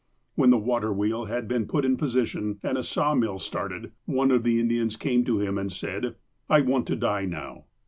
When the water wheel had been put in position, and a sawmill started, one of the Indians came to him, and said :*' I want to die now."